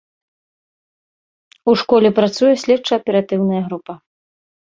У школе працуе следча-аператыўная група.